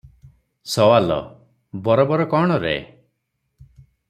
ସୱାଲ - ବରୋବର କଣ ରେ?